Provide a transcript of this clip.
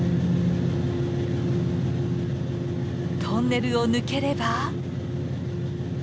トンネルを抜ければ。